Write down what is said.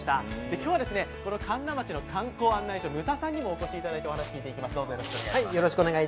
今日はこの神流町の観光案内所、牟田さんにもお越しいただきまして、お話、伺っていきます。